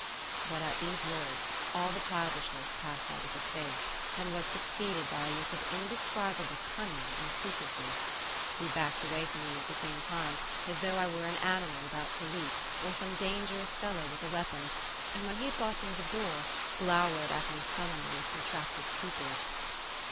But at these words all the childishness passed out of his face, and was succeeded by a look of indescribable cunning and secrecy. He backed away from me at the same time, as though I were an animal about to leap or some dangerous fellow with a weapon, and when he had got near the door, glowered at me sullenly with contracted pupils.